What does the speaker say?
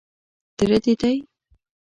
_تره دې دی.